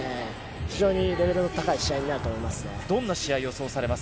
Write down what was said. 非常にレベルの高い試合になると思います。